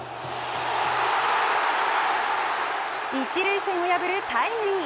１塁線を破るタイムリー。